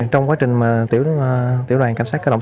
trong quá trình tiểu đoàn cảnh sát cơ động